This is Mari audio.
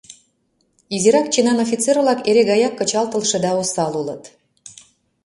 Изирак чинан офицер-влак эре гаяк кычалтылше да осал улыт.